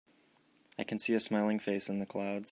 I can see a smiling face in the clouds.